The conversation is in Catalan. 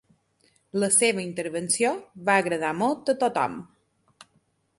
La seva intervenció va agradar molt a tothom.